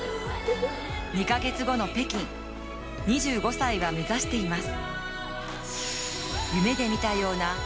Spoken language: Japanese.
２ヶ月後の北京２５歳が目指しています。